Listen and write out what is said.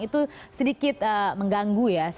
itu sedikit mengganggu ya